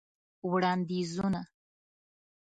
وړاندیزونه :